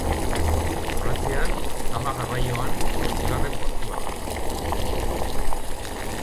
Frantzian zama garraioan zortzigarren portua da.